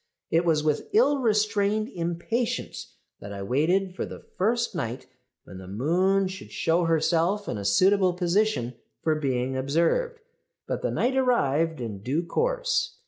"It was with ill restrained impatience that I waited for the first night when the moon should show herself in a suitable position for being observed; but the night arrived in due course.